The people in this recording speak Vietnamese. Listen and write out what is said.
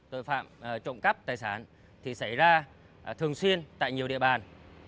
tội phạm trộm cắp tài sản thì xảy ra thường xuyên tại nhiều địa bàn